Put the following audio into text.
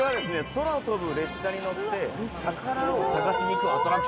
空飛ぶ列車に乗って宝を探しに行くアトラクションという事で。